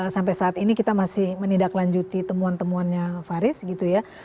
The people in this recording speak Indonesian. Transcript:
sampai saat ini kita masih menidaklanjuti temuan temuan nya faris gitu ya